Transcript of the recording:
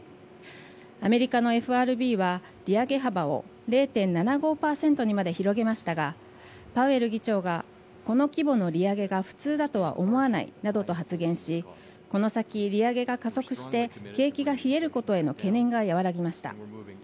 アメリカのＦＲＢは利上げ幅を０．７５％にまで広げましたがパウエル議長がこの規模の利上げが普通だとは思わないなどと発言しこの先、利上げが加速して景気が冷えることへの懸念が和らぎました。